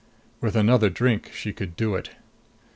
With another drink, she could do it.